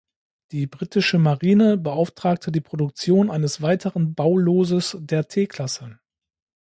Die britische Marine beauftragte die Produktion eines weiteren Bauloses der T-Klasse.